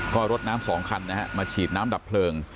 ก็รถน้ำ๒คันนะฮะมาฉีดน้ำดับเพลิง